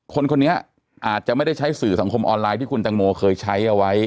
คนนี้อาจจะไม่ได้ใช้สื่อสังคมออนไลน์ที่คุณตังโมเคยใช้เอาไว้